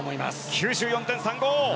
９４．３５！